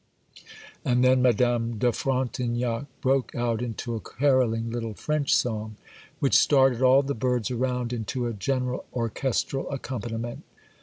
And then Madame de Frontignac broke out into a carolling little French song, which started all the birds around into a general orchestral accompaniment.